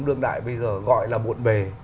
đương đại bây giờ gọi là muộn bề